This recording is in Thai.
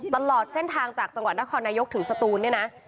ตลอดเส้นทางจากจังหวัดนครนายกถึงสตูนเนี่ยนะ